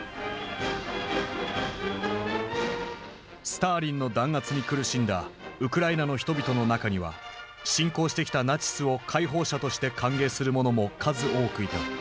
スターリンの弾圧に苦しんだウクライナの人々の中には侵攻してきたナチスを解放者として歓迎する者も数多くいた。